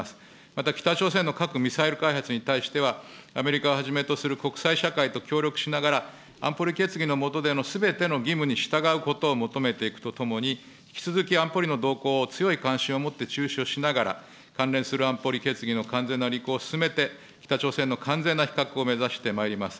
また北朝鮮の核・ミサイル開発に対しては、アメリカをはじめとする国際社会と協力しながら、安保理決議の下でのすべての義務に従うことを求めていくとともに、引き続き安保理の動向を強い関心を持って注視をしながら、関連する安保理決議の完全な履行を進めて、北朝鮮の完全な非核を目指してまいります。